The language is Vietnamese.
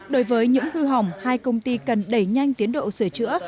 đối với những hư hỏng hai công ty cần đẩy nhanh tiến độ sửa chữa